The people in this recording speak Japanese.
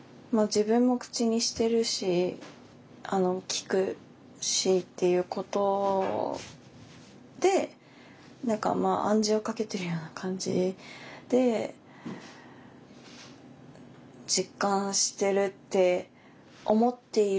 自分も口にしてるし聞くしっていうことで何か暗示をかけてるような感じで実感してるって思っている。